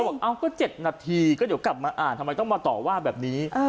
บอกเอ้าก็๗นาทีก็เดี๋ยวกลับมาอ่านทำไมต้องมาต่อว่าแบบนี้